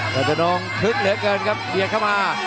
ยอดทนงคึกเหลือเกินครับเดี๋ยวเข้ามา